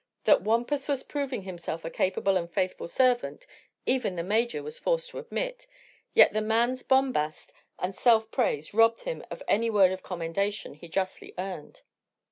That Wampus was proving himself a capable and faithful servant even the Major was forced to admit, yet the man's bombast and self praise robbed him of any word of commendation he justly earned.